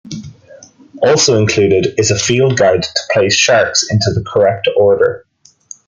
Also included is a field guide to place sharks into the correct order.